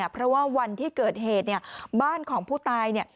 เพราะว่าวันที่เกิดเหตุบ้านของผู้ตาย